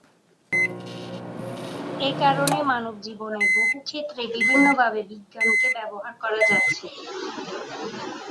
একারণে মানবজীবনের বহুক্ষত্রে বিভিন্নভাবে বিজ্ঞানকে ব্যবহার করা যাচ্ছে।